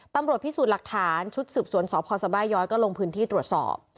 ตำรวจพิสูจน์หลักฐานชุดสืบสวนสพสบาย้อยก็ลงพื้นที่ตรวจสอบ